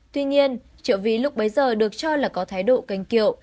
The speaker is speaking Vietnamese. tuy nhiên triệu vi lúc bấy giờ được cho là có thái độ canh kiệu